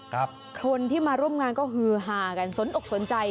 คนที่มาร่วมงานก็ฮือฮากันสนอกสนใจ